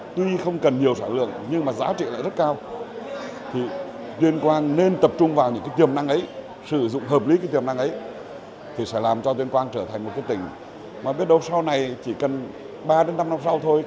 tuyên quang sẽ làm cho tuyên quang trở thành một tỉnh mà biết đâu sau này chỉ cần ba năm năm sau thôi